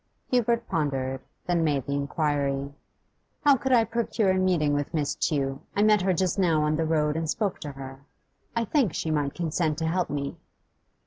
Hubert pondered, then made the inquiry: 'How could I procure a meeting with Miss Tew? I met her just now on the road and spoke to her. I think she might consent to help me.